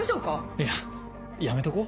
いややめとこう？